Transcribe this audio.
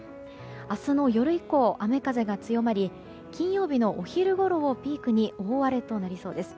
明日の夜以降雨風が強まり金曜日のお昼ごろをピークに大荒れとなりそうです。